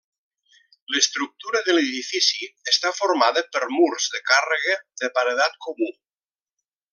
L'estructura de l'edifici està formada per murs de càrrega de paredat comú.